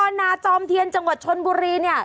ตำรวจซ้อพรนาจอมเทียนจังหวัดชนบุรีเนี่ย